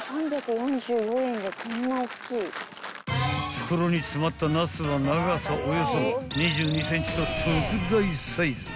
［袋に詰まったナスは長さおよそ２２ｃｍと］